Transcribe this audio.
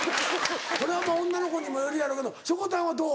これは女の子にもよるやろけどしょこたんはどう？